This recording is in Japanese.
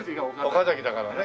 「岡」だからね。